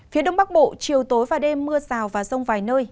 phía đông bắc bộ chiều tối và đêm mưa rào và rông vài nơi